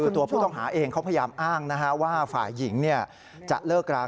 ตัวผู้ต้องหาเองเขาพยายามอ้างว่าฝ่ายหญิงจะเลิกรา